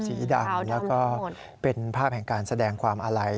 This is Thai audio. สีดั่งและเป็นภาพแห่งการแสดงความอะไร